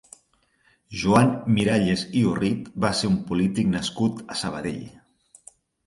Joan Miralles i Orrit va ser un polític nascut a Sabadell.